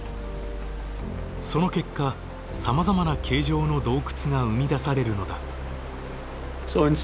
その結果さまざまな形状の洞窟が生み出されるのだ。